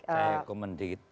saya komen dikit